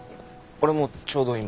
俺もちょうど今。